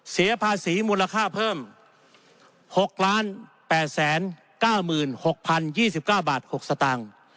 เสียภาษีมูลค่าเพิ่มหกล้านแปดแสนก้าวหมื่นหกพันยี่สิบก้าวบาทหกสตางค์